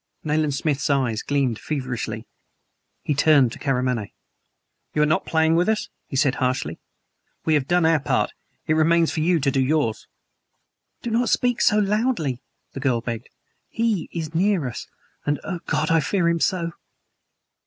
Nayland Smith's eyes gleamed feverishly. He turned to Karamaneh. "You are not playing with us?" he said harshly. "We have done our part; it remains for you to do yours." "Do not speak so loudly," the girl begged. "HE is near us and, oh, God, I fear him so!"